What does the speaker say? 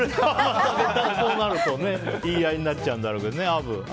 そうなると言い合いになっちゃうんだろうけど。